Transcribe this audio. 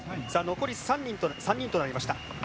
残り３人となりました。